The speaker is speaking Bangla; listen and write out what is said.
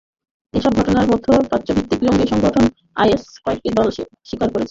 এসব ঘটনায় মধ্যপ্রাচ্য ভিত্তিক জঙ্গি সংগঠন আইএস কয়েকটির দায় স্বীকার করেছে।